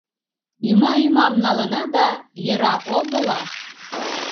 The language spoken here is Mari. — Ӱма-ӱмам налына да йӧра огыла.